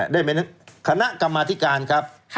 ได้เป็นคณะกรรมาธิการครับ